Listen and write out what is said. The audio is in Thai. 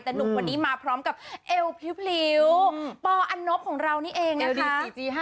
แต่หนุ่มคนนี้มาพร้อมกับเอวพริ้วปอันนบของเรานี่เองนะคะ